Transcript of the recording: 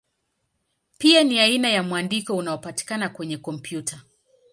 Pia ni aina ya mwandiko unaopatikana kwenye kompyuta.